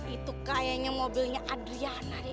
itu kayaknya mobilnya adriana